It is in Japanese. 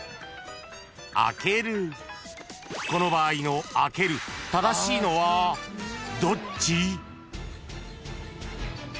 ［この場合の「あける」正しいのはどっち？］